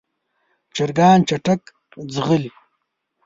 چرګان چټک ځغلېږي.